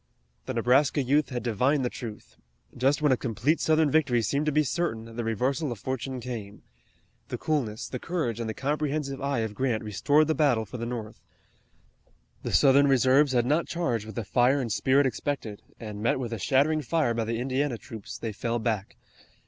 The Nebraska youth had divined the truth. Just when a complete Southern victory seemed to be certain the reversal of fortune came. The coolness, the courage, and the comprehensive eye of Grant restored the battle for the North. The Southern reserves had not charged with the fire and spirit expected, and, met with a shattering fire by the Indiana troops, they fell back.